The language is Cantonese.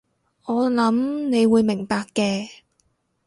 我諗你會明白嘅